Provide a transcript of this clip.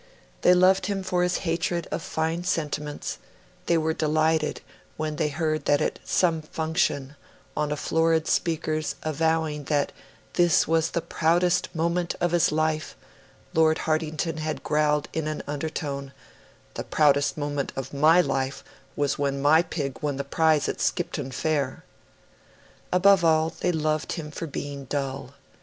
They loved him for his hatred of fine sentiments; they were delighted when they heard that at some function, on a florid speaker's avowing that 'this was the proudest moment of his life', Lord Hartington had growled in an undertone 'the proudest moment of my life was when MY pig won the prize at Skipton Fair'. Above all, they loved him for being dull.